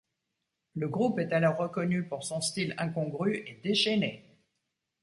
Le groupe est alors reconnu pour son style incongru et déchaîné.